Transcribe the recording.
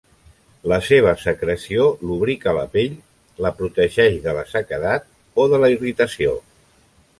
La seva secreció lubrica la pell, la protegeix de la sequedat o de la irritació.